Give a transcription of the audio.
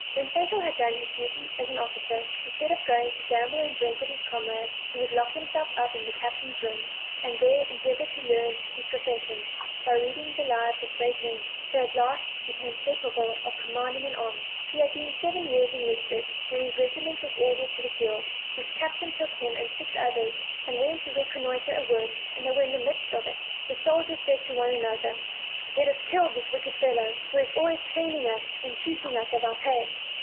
When Fatal had done his duty as a soldier, instead of going to gamble and drink with his comrades, he would lock himself up in the captain's room, and there endeavor to learn his profession, by reading the lives of great men, till at last he became capable of commanding an army. He had been seven years enlisted, when his regiment was ordered to the field: his captain took him and six others, and went to reconnoiter a wood; and when they were in the midst of it, the soldiers said one to another: "Let us kill this wicked fellow, who is always caning us, and cheats us of our pay."